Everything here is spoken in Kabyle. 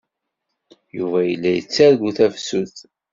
Yuba yella yettargu tafsut.